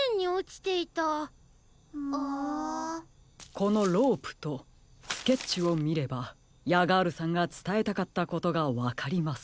このロープとスケッチをみればヤガールさんがつたえたかったことがわかります。